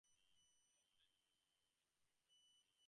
He also said that Wilson had moved away, making it difficult to meet up.